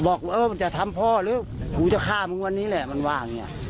บอกว่ามันจะทำพ่อหรือว่ามึงจะฆ่ามึงวันนี้แหละมันวาง